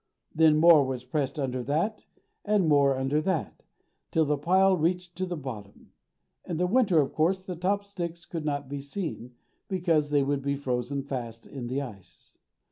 Then more was pressed under that, and more under that, till the pile reached to the bottom. In the winter, of course, the top sticks could not be eaten, because they would be frozen fast in the ice.